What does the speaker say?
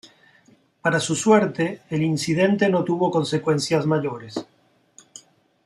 Para su suerte el incidente no tuvo consecuencias mayores.